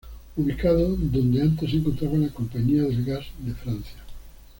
Ubicado donde antes se encontraba la Compañía del Gas de Francia.